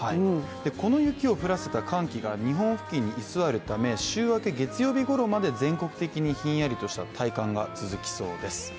この雪を降らせた寒気が日本付近に居座るため週明け月曜日ごろまで全国的にひんやりとした体感が続きそうです。